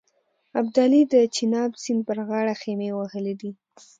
ابدالي د چیناب سیند پر غاړه خېمې وهلې دي.